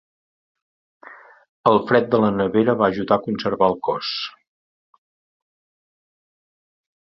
El fred de la nevera va ajudar a conservar el cos.